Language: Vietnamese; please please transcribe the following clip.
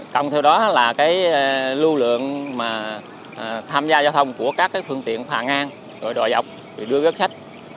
công theo đó là lưu lượng tham gia giao thông của các phương tiện phà ngang đò dọc đưa gấp khách